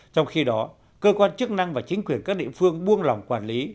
trong khi đó cơ quan chức năng và chính quyền các địa phương buông lỏng quản lý